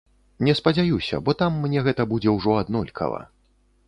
Не спадзяюся, бо там мне гэта будзе ўжо аднолькава.